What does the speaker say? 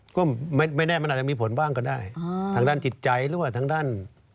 ก็ไม่แน่มันอาจจะมีผลบ้างก็ได้ทางด้านจิตใจหรือว่าทางด้าน